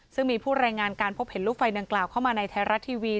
ซึ่งมีผู้รายงานการพบเห็นลูกไฟดังกล่าวเข้ามาในไทยรัฐทีวี